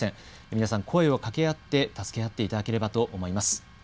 皆さん、声をかけ合って助け合っていただければと思います。